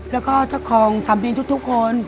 แล้วก็เจ้าของสามบินทุกคน